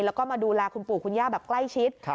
แล้วก็มาดูแลคุณปู่คุณย่าแบบใกล้ชิด